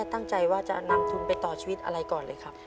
ตั้งใจว่าจะนำทุนไปต่อชีวิตอะไรก่อนเลยครับ